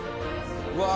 うわ